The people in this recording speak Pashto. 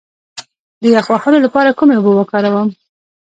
د یخ وهلو لپاره کومې اوبه وکاروم؟